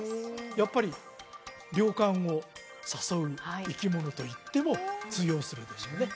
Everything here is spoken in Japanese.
やっぱり涼感を誘う生き物と言っても通用するでしょうね